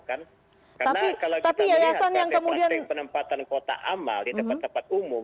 karena kalau kita melihat kepenting penempatan kota amal di tempat tempat umum